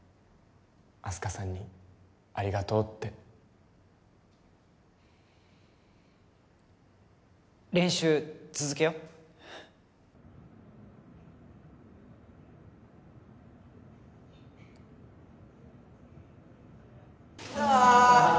あす花さんにありがとうって練習続けようあ！